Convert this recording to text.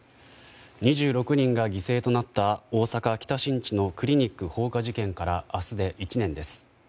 ２６人が犠牲となった大阪・北新地のクリニック放火事件から明日で１年です。